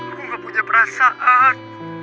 aku gak punya perasaan